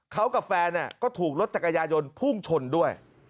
เขากับแฟนก็ถูกรถจักรยายนพุ่งชนด้วย